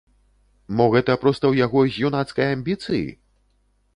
Мо гэта проста ў яго з юнацкай амбіцыі?